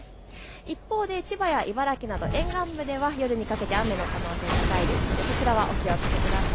一方で千葉や茨城など沿岸部では夜にかけて雨の可能性、高いですのでそちらはお気をつけください。